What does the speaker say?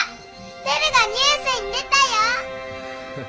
テルがニュースに出たよ！